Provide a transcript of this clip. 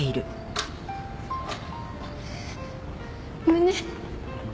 ごめんね。